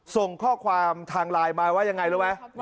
ส่งคำความทางลายมายังไงเลยไว้